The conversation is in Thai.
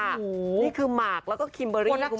นี่คือหมากแล้วก็คิมเบอร์รี่คุณผู้ชม